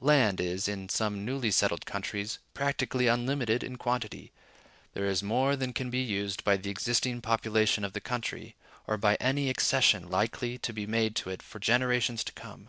Land is, in some newly settled countries, practically unlimited in quantity: there is more than can be used by the existing population of the country, or by any accession likely to be made to it for generations to come.